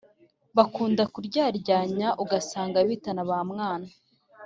bakunda kuryaryanya ugasanga bitana ba mwana